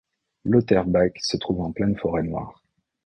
Lauterbach se trouve en pleine Forêt-Noire.